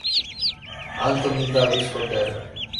Anthony Davis Jr.